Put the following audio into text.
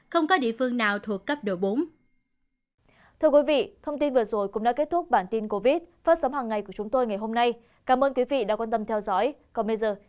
không có địa phương nào thuộc cấp độ bốn